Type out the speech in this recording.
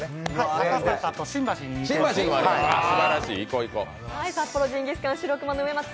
赤坂と新橋にあります。